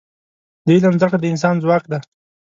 د علم زده کړه د انسان ځواک دی.